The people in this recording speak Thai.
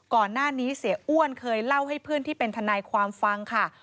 ก่อนหน้านี้เสียอ้วนเคยเล่าให้เพื่อนที่เป็นทนายความฟังค่ะ